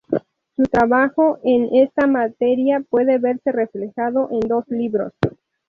Su trabajo en esta materia puede verse reflejado en dos libros.